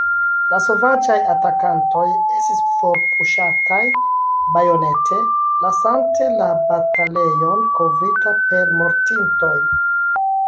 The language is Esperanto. La sovaĝaj atakantoj estis forpuŝataj bajonete, lasante la batalejon kovrita per mortintoj.